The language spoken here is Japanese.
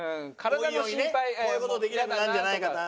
こういう事できなくなるんじゃないかな。